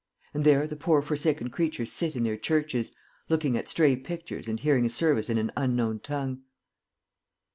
And there the poor forsaken creatures sit in their churches, looking at stray pictures and hearing a service in an unknown tongue."